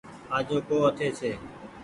آجو ڪو اٺي ڇي ۔